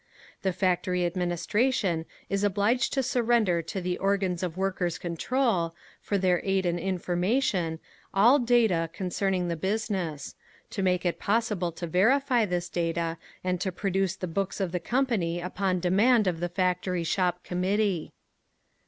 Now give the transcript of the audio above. The factory administration is obliged to surrender to the organs of Workers' Control, for their aid and information, all data concerning the business; to make it possible to verify this data, and to produce the books of the company upon demand of the Factory Shop Committee.